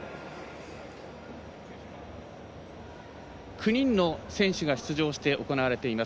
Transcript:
９人の選手が出場して行われています。